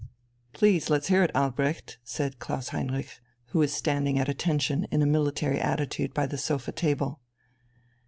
"Please let's hear it, Albrecht," said Klaus Heinrich, who was standing at attention in a military attitude by the sofa table.